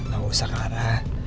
gak usah clara